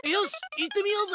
行ってみようぜ！